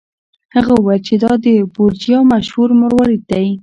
هغه وویل چې دا د بورجیا مشهور مروارید دی.